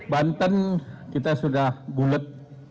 banten kita sudah bulet